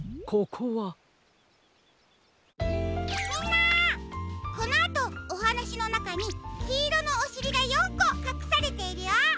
このあとおはなしのなかにきいろのおしりが４こかくされているよ。